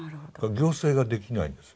行政ができないんです。